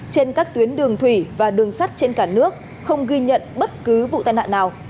trên các tuyến đường thủy và đường sắt trên cả nước không ghi nhận bất cứ vụ tai nạn nào